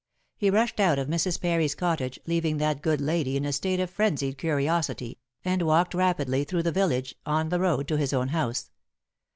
He rushed out of Mrs. Parry's cottage, leaving that good lady in a state of frenzied curiosity, and walked rapidly through the village on the road to his own house.